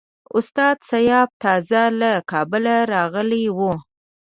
استاد سیاف تازه له کابله راغلی وو.